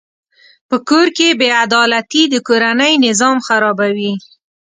په کور کې بېعدالتي د کورنۍ نظام خرابوي.